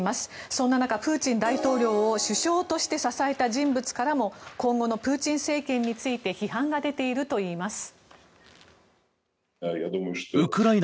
そんな中、プーチン大統領を首相として支えた人物からも今後のプーチン政権について批判が出ているといいます。